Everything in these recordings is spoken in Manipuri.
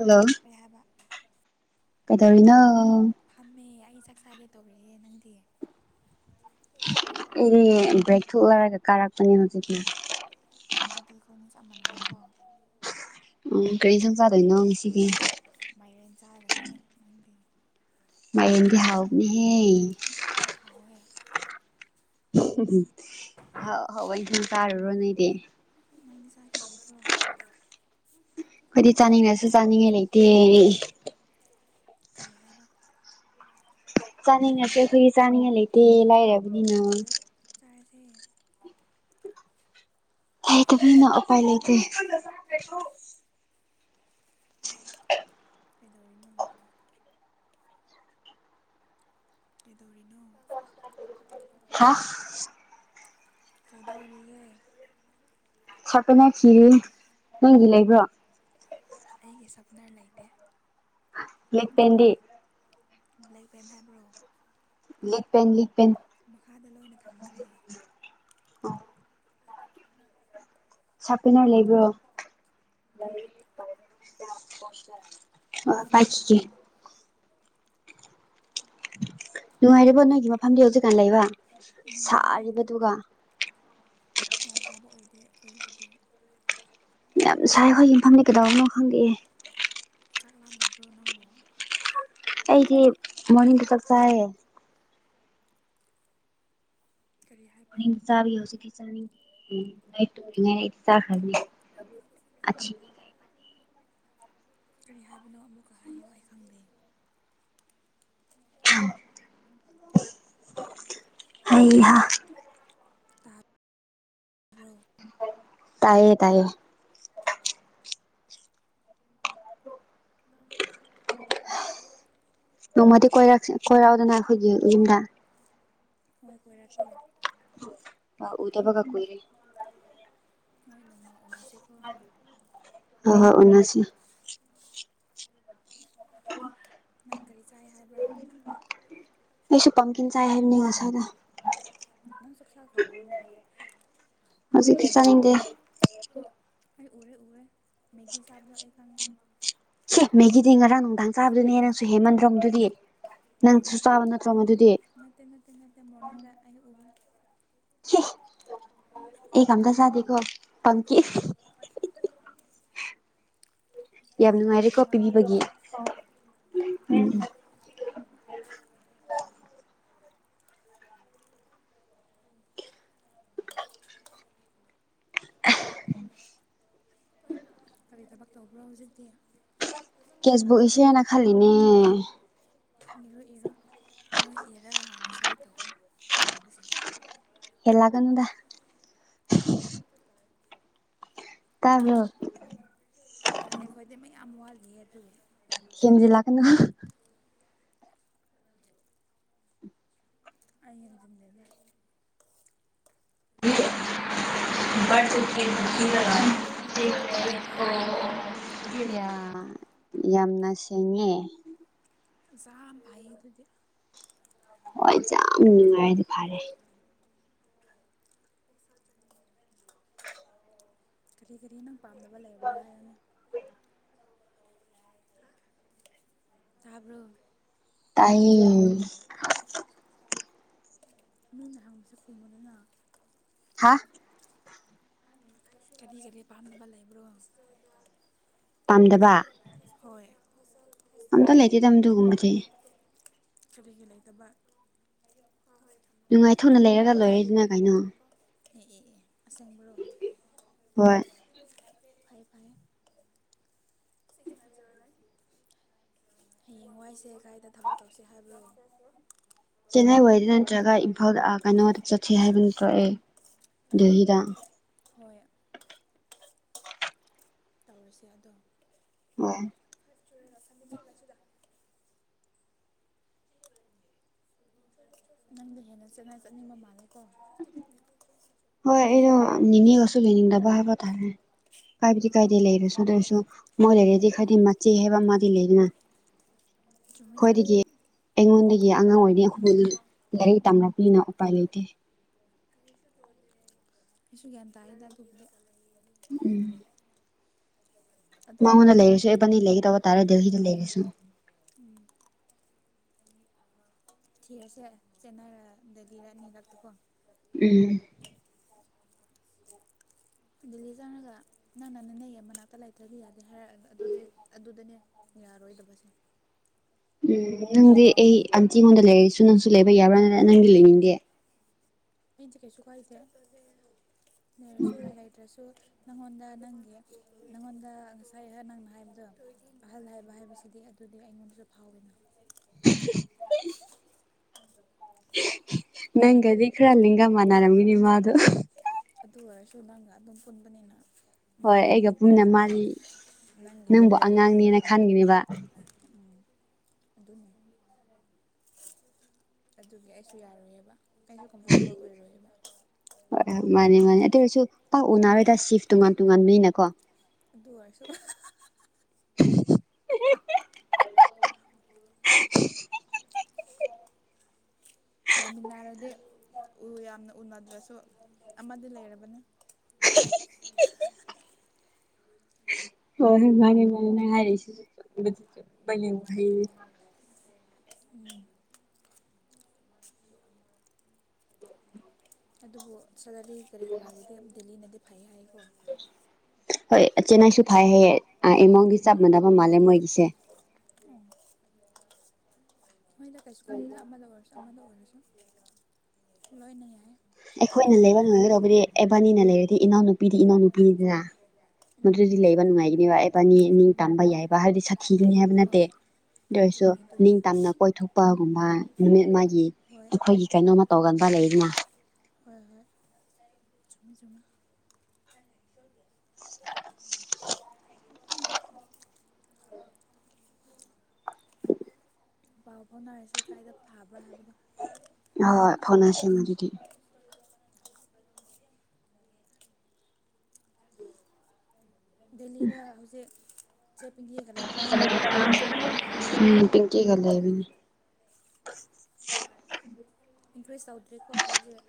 ꯍꯜꯂꯣ ꯀꯩ ꯍꯥꯏꯕ [unintelligible] ꯐꯝꯃꯦ ꯑꯩ ꯆꯥꯛ ꯆꯥꯒꯦ ꯇꯧꯔꯤꯌ‌ꯦ ꯅꯪꯗꯤ ꯑꯦꯗꯤ ꯕ꯭ꯔꯦꯛ ꯊꯣꯛ ꯂꯔꯒ ꯀꯥꯔꯒꯄ ꯍꯧꯖꯤꯛꯀꯤ ꯑꯗꯨꯗꯤ ꯑꯩꯈꯣꯏꯅ ꯆꯞ ꯃꯥꯟꯅꯩꯀꯣ ꯎꯝ ꯀꯔꯤ ꯏꯟꯁꯪ ꯆꯥꯗꯣꯏꯅꯣ ꯉꯁꯤꯒꯤ ꯃꯥꯏꯔꯦꯟ ꯆꯥꯒꯅꯤ ꯅꯪꯗꯤ ꯃꯥꯏꯔ‌ꯦꯟꯗꯤ ꯍꯥꯎꯕꯅꯦꯍꯦ ꯍꯣꯏ ꯍꯥꯎꯋꯦ ꯑꯍꯥꯎ ꯑꯍꯥꯎ ꯏꯟꯁꯥꯡ ꯆꯥꯔꯨꯔ‌ꯣ ꯅ‌ꯣꯏꯗꯤ ꯅꯪꯗꯤ ꯆꯥꯈꯤꯔ‌ꯣꯏꯗ꯭ꯔ‌ꯣ ꯑꯩꯈꯣꯏꯗꯤ ꯆꯥꯅꯤꯡꯉꯁꯨ ꯆꯥꯅꯤꯡꯉꯥꯏ ꯂꯩꯇꯦ ꯀꯔꯤ ꯍꯥꯏꯕ ꯆꯥꯅꯤꯡꯉꯥꯁꯨ ꯑꯩꯈꯣꯏꯒꯤ ꯆꯥꯅꯤꯡꯉꯥꯏ ꯂꯩꯇꯦ ꯂꯥꯏꯔꯕꯅꯤꯅ [unintelligible] ꯂꯩ ꯇꯥꯕꯅ ꯎꯄꯥꯏ ꯂꯩꯇ ꯀꯩꯗꯧꯔꯤꯅꯦ ꯀꯗꯧꯔꯤꯅꯣ ꯍꯥ ꯀꯩꯗꯧꯔꯤꯒꯦ ꯁꯥꯄꯅ ꯊꯤꯔꯤ ꯅꯪꯒꯤ ꯂꯩꯕ꯭ꯔꯣ ꯑꯩꯒꯤ ꯁꯛꯅꯥ ꯂꯩꯇꯦ ꯌꯦ ꯇꯗꯤ ꯕ꯭ꯂꯦꯛ ꯄꯦꯟ ꯍꯥꯏꯕ꯭ꯔꯣ ꯂꯤꯛꯄꯦꯟ ꯂꯤꯛꯄꯦꯟ ꯃꯈꯥꯗ ꯂꯣꯏꯅ ꯊꯝꯈ꯭ꯔꯦ ꯑꯣ ꯁꯄꯅꯔ ꯂꯩꯕ꯭ꯔꯣ ꯑ ꯄꯥꯏꯈꯤꯒꯦ ꯅꯨꯡꯉꯥꯏꯔꯤꯕ ꯅꯣꯏꯒꯤ ꯃꯐꯝꯗꯤ ꯍꯧꯖꯤꯛꯀꯥꯟ ꯂꯩꯕ ꯅꯨꯡꯉꯥꯏꯌꯦ ꯁꯥꯔꯤꯕꯗꯨꯒ ꯌꯥꯝ ꯁꯥꯕ ꯑꯣꯏꯗꯦ ꯑꯩꯈꯣꯏꯒꯤꯗꯗꯤ ꯌꯥꯝ ꯁꯥꯏ ꯍꯣꯏ ꯌꯨꯝꯐꯝꯅꯤ ꯀꯩꯗꯧꯅꯣ ꯈꯪꯗꯑꯦ ꯆꯥꯛ ꯂꯥꯟ ꯗꯥꯕ꯭ꯔꯥꯅꯪꯕ ꯑꯩꯗꯤ ꯃꯅꯤꯡꯗ ꯆꯞ ꯆꯥꯏꯌꯦ ꯀꯔꯤ ꯍꯥꯏꯕ꯭ꯔꯣ ꯏꯟꯁꯕ ꯁꯤꯁ ꯇ ꯏ [unintelligible] [unintelligible] ꯍꯥꯏ ꯀꯔꯤ ꯍꯥꯏꯕꯅꯣ ꯑꯃꯨꯛꯀ ꯍꯥꯏꯌꯨ ꯑꯩ ꯈꯪꯗꯦ ꯍꯩꯍꯥ ꯇꯥꯕ꯭ꯔꯣ ꯇꯥꯢꯌꯦ ꯇꯥꯏꯌꯦ [unintelligible] ꯅꯣꯡꯃꯗꯤ ꯀꯣꯏ ꯀꯣꯏꯔꯛꯗꯅ ꯑꯩꯈꯣꯏꯒꯤ ꯌꯨꯝꯗ ꯍꯣꯏ ꯀꯣꯏꯔꯛꯀꯦ ꯑ ꯎꯗꯕ ꯀ ꯀꯨꯢꯔꯦ ꯍꯃ ꯑ ꯍ ꯑꯣꯁꯤ ꯅꯪ ꯀꯔꯤ ꯆꯥꯏ ꯍꯥꯏꯕ꯭ꯔꯥ ꯇꯥꯏꯕꯅꯤꯉꯁꯗ ꯅꯪ ꯆꯥꯛꯆꯥꯈ꯭ꯔꯕꯅꯦ ꯍꯧꯖꯤꯛꯗꯤ ꯆꯥꯅꯤꯡꯗꯦ ꯑꯩ ꯎꯔꯦ ꯎꯔꯦ ꯃꯦꯒꯤ ꯁꯥꯕꯗꯦ ꯈ ꯁꯦ ꯃꯦꯒꯤꯗꯤ ꯉꯔꯥꯡ ꯅꯨꯡꯗꯥꯡ ꯆꯥꯕꯗꯨꯅꯦ ꯅꯪꯁꯨ ꯍꯦꯃꯟꯗ꯭ꯔꯣꯝꯗꯨꯗꯤ ꯅꯟꯇꯦ ꯅꯠꯇꯦ ꯅꯠꯇꯦ ꯅꯠꯇꯦ ꯅꯠꯇꯦ ꯃꯣꯔꯅꯤꯡꯗ ꯑꯌꯨꯕ [unintelligible] ꯑꯩ ꯀꯌꯨꯝꯇ ꯆꯥꯗꯦꯀꯣ ꯄꯪꯀꯤ ꯌꯥꯝ ꯑꯣꯏꯗꯕ ꯅꯨꯡꯉꯥꯏꯔꯦꯀꯣ ꯄꯤꯕꯤꯕꯒꯤ ꯉꯥꯡꯒꯅꯨꯗ ꯎꯝ ꯀꯔꯤ ꯊꯕꯛ ꯇꯧꯕ꯭ꯔꯣ ꯍꯧꯖꯤꯛꯇꯤ ꯀꯦꯁꯕꯨꯛ ꯏꯁꯦꯅ ꯈꯜꯂꯤꯅꯦ ꯅꯔꯣꯏ ꯏꯔꯣ ꯅꯣꯏ ꯏꯔꯒ ꯍꯥꯟꯅ ꯁꯕꯃꯤꯠ ꯇꯧꯈ꯭ꯔꯣ ꯏꯣꯏꯕꯁꯤꯅꯤ ꯑꯦꯂꯥꯛꯒꯅꯨꯗ ꯇꯥꯕꯣ ꯌꯥꯝ ꯌꯥꯝ ꯑꯃꯜ ꯂꯤꯍꯦꯠꯇꯨꯦ ꯍꯦꯟꯖꯤꯜꯂꯛꯀꯅꯨ ꯑꯩ ꯌꯦꯡꯖꯟꯖꯗꯦ ꯑꯩꯅ ꯉꯥꯡꯕ ꯐꯖꯅ ꯇꯥꯏꯀꯣ [unintelligible] [inaudible] ꯌꯥꯝꯅ ꯁꯦꯡꯉꯦ ꯆ ꯐꯥꯏꯌꯦ ꯑꯗꯨꯗꯤ ꯍꯣꯏ ꯌꯥꯝ ꯅꯨꯡꯉꯥꯏꯔꯗꯤ ꯐꯔꯦ ꯀꯔꯤ ꯀꯔꯤꯅꯪ ꯄꯥꯝꯅꯕ ꯂꯩꯕ꯭ꯔꯥ ꯍꯥꯏꯅꯦ ꯇꯥꯕ꯭ꯔꯣ ꯇꯥꯏ ꯃꯤꯑꯣꯏꯅꯍꯥꯡꯕꯁꯦ ꯀꯨꯝꯕꯗꯨꯅ ꯍꯥꯥ ꯀꯔꯤ ꯀꯔꯤ ꯄꯥꯝꯅꯕ ꯂꯩꯕ꯭ꯔꯣ ꯄꯥꯝꯗꯕ ꯍꯣꯏ ꯑꯝꯇ ꯂꯩꯇꯦ ꯇꯝ ꯊꯒꯨꯝ ꯃꯁꯦ ꯀꯔꯤꯒꯤ ꯂꯩꯇꯕ ꯅꯨꯡꯉꯥꯏ ꯊꯣꯛꯅ ꯂꯩꯔꯒ ꯂꯣꯏꯔꯦꯗꯨꯅ ꯀꯩꯅꯣ ꯑꯦꯁꯦꯡꯕꯣ ꯍꯣꯏ ꯐꯥꯏ ꯐꯥꯏ ꯁꯤꯁ ꯃ ꯔꯅ ꯍꯌꯦꯡꯋꯥꯏꯁꯦ ꯀꯥꯏꯗ ꯊꯕꯛ ꯇꯧꯁꯦ ꯍꯥꯏꯕ ꯆꯦꯟꯅꯥꯏ ꯋꯥꯗ ꯅꯠꯇ꯭ꯔꯒ ꯏꯝꯐꯥꯜꯗꯥ ꯀꯩꯅꯣꯗ ꯆꯠꯁꯤ ꯍꯥꯏꯕ ꯅꯠꯇꯑꯦ ꯗꯦꯍꯤꯗ ꯍꯣꯏ ꯇꯧꯔꯁꯦ ꯑꯗꯣ ꯍꯣꯏ ꯦꯁꯃꯤ ꯆꯂꯁꯤꯗ ꯅꯪꯗꯤ ꯍꯦꯟꯅ ꯆꯦꯠꯅ ꯆꯠꯅꯤꯡꯕ ꯃꯥꯜꯂꯦ ꯀ ꯍ ꯑꯩꯩꯅꯣ ꯅꯤꯒꯁꯨꯣ ꯅꯤꯗꯕ ꯍꯥꯕ ꯇꯥꯔꯦ ꯀꯥꯏꯕꯗꯤ ꯀꯥꯏꯗꯗꯤ ꯂꯩꯔꯁꯨ ꯑꯗꯨ ꯑꯣꯏꯔꯁꯨ ꯃꯣꯏ ꯂꯩꯔꯗꯤ ꯈꯥꯏꯗꯤ ꯃꯆꯦ ꯍꯥꯏꯕ ꯑꯃꯗꯤ ꯂꯩꯗꯅ ꯆꯃꯦꯩ ꯆꯃꯦꯩ ꯑꯩꯈꯣꯏꯗꯒꯤ ꯑꯩꯉꯣꯟꯗꯒꯤ ꯑꯉꯥꯡ ꯑꯣꯏꯔꯤꯩ ꯑꯍꯨꯝ ꯂꯥꯏꯔꯤꯛ ꯇꯝꯅꯕꯄꯤꯅ ꯎꯄꯥꯏ ꯂꯩꯇꯦ ꯑꯩꯁꯨ ꯒ꯭ꯌꯥꯟ ꯇꯥꯈꯤꯗ ꯑꯗꯨꯕꯨꯗꯤ ꯎꯝ ꯑꯗꯣ ꯎꯝ ꯃꯉꯣꯟꯗ ꯂꯩꯔꯤꯁꯨ ꯑꯦꯕꯅꯤ ꯂꯩꯒ ꯇꯧꯕ ꯇꯥꯔꯦ ꯗꯦꯍꯤꯗ ꯂꯩꯔꯤꯁꯨ ꯎꯝ ꯊꯤꯁꯦ ꯆꯦꯟꯅꯔ ꯗꯦꯜꯂꯤꯔꯅꯤ ꯂꯥꯛꯛꯇꯀꯣ ꯎꯝ ꯗꯦꯜꯂꯤ ꯆꯪꯉꯒ ꯅꯪꯅ ꯅꯅꯦ ꯃꯅꯥꯛꯇ ꯂꯩꯥꯏꯇ꯭ꯔꯕꯤ ꯌꯥꯗꯦ ꯍꯥꯏꯔꯛ ꯑꯗꯨꯗꯤ ꯑꯗꯨꯗꯅꯦ ꯌꯥꯔꯣꯏꯗꯕꯁꯦ ꯎꯝ ꯅꯪꯗꯤ ꯑꯩ ꯑꯟꯇꯤꯉꯣꯟꯗ ꯂꯩꯔꯁꯨ ꯅꯪꯁꯨ ꯂꯩꯕ ꯌꯥꯕ꯭ꯔꯥꯅꯤꯅ ꯅꯪꯗꯤ ꯂꯩꯅꯤꯡꯗꯦ ꯑꯩꯁꯦ ꯀꯩꯁꯨ ꯀꯏꯁꯦ ꯂꯩꯔꯁꯨ ꯂꯩꯇ꯭ꯔꯁꯨ ꯅꯪꯉꯣꯟꯗ ꯅꯪꯒꯤ ꯅꯉꯣꯟꯗ ꯉꯁꯥꯏꯍ ꯅꯪꯅ ꯍꯥꯏꯕꯗꯣ ꯑꯍꯜ ꯍꯥꯏꯕ ꯍꯥꯏꯕꯁꯤꯗꯤ ꯑꯗꯨꯗꯤ ꯑꯩꯉꯣꯟꯗꯁꯨ ꯐꯥꯎꯋꯦꯅ ꯅꯪꯒꯗꯤ ꯈ꯭ꯔ ꯂꯤꯒꯃꯅꯔꯝꯒꯤꯅꯤꯃ ꯑꯗꯨ ꯑꯗꯨꯔꯁꯨꯨꯅꯒ ꯑꯗꯨꯝ ꯄꯨꯟꯕꯅꯤꯅ ꯍꯣꯏ ꯑꯩꯒ ꯄꯨꯨꯝꯅ ꯃꯥꯜꯂꯤ ꯅꯪ ꯂꯩꯕ꯭ꯔ ꯑꯗꯨ ꯎꯔꯒꯂ ꯌꯅꯤ ꯎꯝ ꯑꯗꯨꯅꯦ ꯑꯗꯨꯒꯤ ꯑꯩꯁꯨ ꯌꯥꯔꯣꯏꯌꯦꯕ ꯑꯩꯁꯨ ꯀꯝꯐꯣꯔꯇꯦꯕꯜ ꯑꯣꯏꯔꯣꯏꯕ ꯃꯥꯅꯤ ꯃꯥꯅꯦ ꯑꯗꯨ ꯑꯣꯏꯔꯁꯨ ꯄꯥꯛ ꯎꯅꯔꯣꯏꯗ ꯁꯤꯐ ꯇꯣꯉꯥꯟ ꯇꯣꯉꯥꯟꯕ ꯃꯤꯅ ꯀꯣ ꯑꯗꯨꯋꯥꯔꯁꯨ [inaudible] ꯂꯩꯃꯤꯟꯅꯔꯗꯤ ꯎ ꯌꯥꯝꯅ ꯎꯅꯗ꯭ꯔꯁꯨ ꯑꯃꯗꯤ ꯂꯩꯔꯕꯅꯤ ꯍꯣꯏꯣꯏ ꯃꯥꯅꯤ ꯃꯥꯅꯤ ꯅꯪ ꯍꯥꯏꯔꯁꯤ ꯍꯥꯏ ꯎꯝ ꯑꯗꯨꯕꯨ ꯁꯂꯤ ꯀꯔꯤ ꯀꯔꯥꯒꯤꯗꯤ ꯗꯦꯜꯂꯤꯅꯗꯤ ꯐꯩ ꯍꯥꯏꯀꯣ ꯍꯣꯏ ꯑꯆꯦꯅꯥꯁꯨ ꯐꯩ ꯍꯌꯦ ꯏꯃꯣꯒꯤ ꯆꯞ ꯃꯥꯟꯅꯕ ꯃꯥꯜꯂꯦ ꯃꯣꯏꯒꯤꯁꯦ ꯎꯝ ꯃꯣꯏꯗ ꯀꯩꯁꯨ ꯀꯥꯏꯗꯦꯗ ꯑꯃꯗ ꯑꯣꯏꯔꯁꯨ ꯑꯃꯗ ꯑꯣꯏꯔꯁꯨ ꯂꯣꯏꯅ ꯌꯥꯏ ꯑꯩꯈꯣꯏꯅ ꯂꯩꯕ ꯄꯔꯤ ꯏꯅꯥꯅꯅ ꯄꯅꯤꯗꯌꯥ ꯃꯗꯨꯗꯤ ꯂꯩꯕ ꯅꯨꯡꯉꯥꯏꯒꯅꯦꯕ ꯑꯦꯕꯥꯅꯤ ꯅꯤꯡ ꯇꯝꯕ ꯌꯥꯏꯕ ꯍꯥꯏꯕꯗꯤ ꯁꯥꯊꯤꯒꯅꯤ ꯍꯥꯏꯕ ꯅꯠꯇꯦ ꯍꯣꯏ ꯑꯗꯨ ꯑꯣꯏꯁꯨ ꯆꯨꯝꯃꯦ ꯑꯗꯨꯗꯤ ꯅꯤꯡꯇꯝꯅ ꯀꯣꯏꯊꯣꯛꯄꯒꯨꯝꯕ ꯅꯨꯃꯤꯠ ꯃꯥꯒꯤ ꯍꯣꯏ ꯑꯩꯈꯣꯏꯒꯤ ꯀꯩꯅꯣꯃ ꯇꯧꯒꯅꯤ ꯐ ꯂꯩꯗꯅ ꯍꯣꯏ ꯍꯣꯏ ꯆ ꯆꯨꯝ [inaudible] ꯄꯥꯎꯕꯥꯎꯅꯁꯦ ꯀꯥꯏꯗ ꯐꯥꯕ ꯍꯣꯏ ꯐꯣꯟꯅꯥꯁꯦ ꯑꯗꯨꯝ ꯃꯗꯨꯗꯤ ꯗꯦꯜꯂꯤꯗ ꯍꯧꯖꯤꯛ ꯆꯞꯄꯤꯡ ꯌꯦꯡꯒꯠꯂꯕ ꯅꯠꯇ꯭ꯔꯣ ꯕꯥꯅꯦ ꯀꯒ ꯂꯅꯦ ꯏꯟꯐ꯭ꯂꯨꯌꯦꯁ ꯇꯧꯗ꯭ꯔꯦꯀꯣꯁꯤꯜꯂꯁ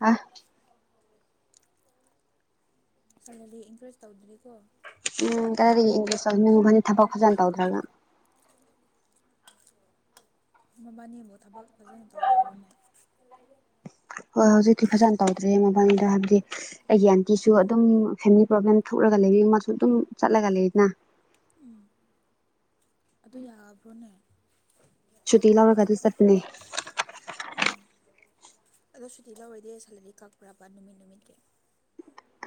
ꯑ ꯆꯝꯂꯗꯤ ꯏꯟꯀꯔꯦꯖ ꯇꯧꯗ꯭ꯔꯤꯀꯣ ꯎꯝ ꯀꯔꯗꯒꯤ ꯏꯪꯂꯤꯁ ꯇꯟꯅꯤꯡꯉ ꯐꯅꯤ ꯊꯕꯛ ꯐꯖꯅ ꯇꯧꯗ꯭ꯔꯒ ꯃꯕꯥꯅꯤꯕꯨ ꯊꯕꯛ ꯐꯖꯅ ꯇꯧꯗꯕ꯭ꯔꯣꯅꯦ ꯍꯣꯏ ꯍꯧꯖꯤꯛꯇꯤ ꯐꯖꯅ ꯇꯧꯗ꯭ꯔꯦ ꯃꯃꯥꯡꯗ ꯍꯥꯏꯕꯗꯤ ꯑꯩꯒꯤ ꯑꯟꯇꯤꯁꯨ ꯑꯗꯨꯝ ꯐꯦꯃꯤꯂꯤ ꯄ꯭ꯔꯣꯕ꯭ꯂꯦꯝ ꯊꯣꯛꯂꯒ ꯃꯥ ꯑꯗꯨꯝ ꯆꯠꯂꯒ ꯂꯩꯅ ꯎꯝ ꯑꯗꯨ ꯌꯥꯕ꯭ꯔꯣꯅꯦ ꯁꯨꯇꯤ ꯂꯧꯔꯒ ꯑꯗꯨ ꯆꯠꯄꯅꯦ ꯑꯗꯣ ꯁꯨꯇꯤ ꯌꯥꯔꯣꯏꯗꯤꯦ ꯁꯂꯂꯤꯛ ꯀꯛꯄ꯭ꯔꯕ ꯅꯨꯃꯤꯠ ꯅꯨꯃꯤꯠꯀꯤ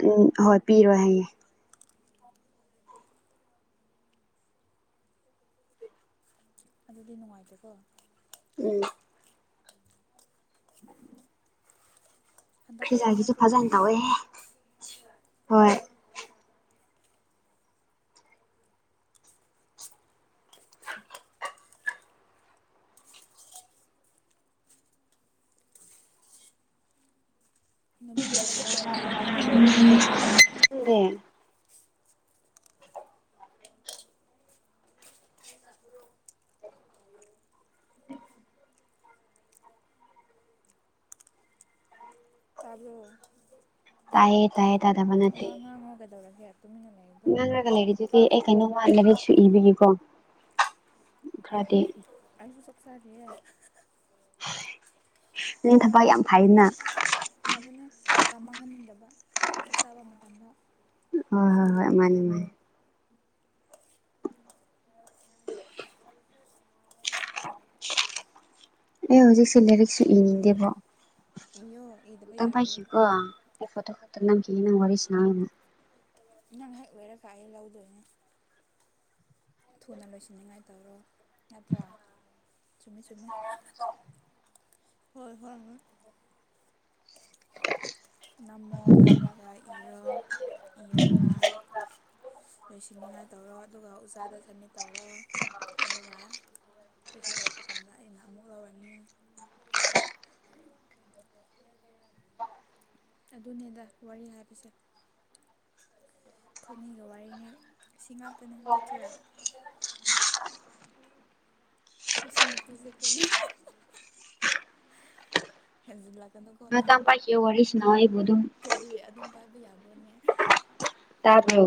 ꯎꯝ ꯍꯣꯏ ꯄꯤꯔꯣꯏ ꯍꯌꯦꯦ ꯑꯗꯨꯗꯤ ꯅꯨꯡꯉꯥꯏꯇꯦꯀꯣ ꯎꯝ [unintelligible] ꯍꯟꯗꯛ ꯈꯛꯇ ꯈ꯭ꯔꯤꯖꯒꯤꯁꯨ ꯅꯠꯇ꯭ꯔꯣ ꯐꯖꯅ ꯁꯨꯇꯤ ꯂꯧꯕ ꯇꯧꯋꯦꯍ ꯍꯣꯏ ꯅꯨꯃꯤꯠ ꯀꯌꯥꯒꯤ ꯂꯧꯕ꯭ꯔꯥ ꯃꯕꯥꯅꯤꯗꯤ ꯈꯪꯗꯦ ꯇꯥꯕꯨꯣ ꯇꯥꯏꯌꯦ ꯇꯥꯏꯌꯦ ꯇꯥꯗꯕ ꯅꯠꯇꯦ ꯋꯥ ꯉꯥꯡꯉꯒꯗꯧꯔꯒꯦ ꯉꯥꯡꯔꯒ ꯂꯩꯔꯤꯗꯨꯗꯤ ꯑꯩ ꯀꯩꯅꯣ ꯂꯥꯏꯔꯤꯛꯁꯨ ꯏꯕꯤꯒꯀꯣ ꯈꯔꯗꯤ ꯑꯩꯁꯨ ꯆꯣꯛ ꯆꯔꯤꯦ ꯅ ꯊꯕ ꯌꯥꯝ ꯐꯥꯏꯅ ꯐꯥꯕꯅꯦ ꯃꯇꯝ ꯃꯥꯡꯍꯟꯅꯤꯡꯗꯕ ꯆꯥꯛ ꯆꯥꯕ ꯃꯇꯝꯗ ꯍꯣꯏ ꯍꯣꯏ ꯍꯣꯏ ꯃꯥꯅꯦ ꯃꯥꯅꯦ ꯑꯦ ꯍꯧꯖꯤꯛꯁꯦ ꯂꯥꯏꯔꯤꯛꯁꯨ ꯏꯅꯤꯡꯗꯦꯕꯣ ꯏꯌꯣ ꯏꯗꯕ ꯇ ꯌꯥꯔꯣꯏꯌꯦ ꯄꯥꯏꯀꯣ ꯐꯇꯣ ꯈꯠꯇ ꯀ ꯋꯥꯔꯤꯁꯣ ꯅꯪ ꯍꯦꯛ ꯑꯣꯏꯔꯒꯑꯦ ꯂꯧꯗꯣꯏꯅꯦ ꯊꯨꯅ ꯂꯣꯏꯁꯤꯟꯅꯤꯡꯉꯥꯏ ꯇꯧꯔꯣ ꯅꯠꯇ꯭ꯔꯥ ꯆ ꯆꯃꯦ ꯍꯣꯏ ꯍꯣꯏ ꯍꯣꯏ ꯅꯝꯃꯣ ꯅꯝꯔꯒ ꯍꯔꯣ ꯍꯔꯒ ꯂꯣꯏꯁꯤꯟꯅꯤꯉꯥꯏ ꯇꯧꯔꯣ ꯑꯗꯨꯒ ꯎꯖꯥꯗ ꯁꯟꯃꯤꯠ ꯇꯧꯔꯣ ꯑꯗꯨꯒ ꯄꯤꯊꯣꯔꯂꯛꯄ ꯀꯥꯟꯗ ꯑꯩꯅ ꯑꯃꯨꯛ ꯂꯧꯔꯅꯤ [unintelligible] ꯑꯗꯨꯅꯦꯗ ꯋꯥꯔꯤ ꯍꯥꯏꯕꯁꯦ ꯈꯨꯈꯣꯏꯅꯤꯒ ꯋꯥꯔꯤꯅꯤ ꯁꯤ ꯉꯥꯛꯇꯅꯤ ꯅꯠꯇ꯭ꯔꯥ ꯃꯁꯤꯡ ꯅꯨꯄꯤꯁꯦ ꯀꯩꯅꯩꯅꯣ ꯍꯦꯟꯖꯤꯜꯂꯥꯛꯀꯗ ꯉ ꯇ ꯄꯥꯏꯁꯤ ꯋꯥꯔꯤꯁꯅ ꯏꯕꯨꯗꯨ ꯀꯔꯤ ꯑꯗꯨꯝ ꯄꯥꯏꯕ ꯌꯥꯕ꯭ꯔꯣꯅꯦ ꯑꯗ